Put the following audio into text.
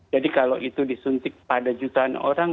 jadi kalau itu disuntik pada jutaan orang